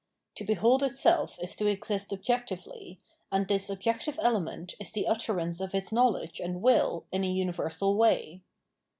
* To behold itself is to exist objectively, and this objective element is the utterance of its knowledge and will in a universal way.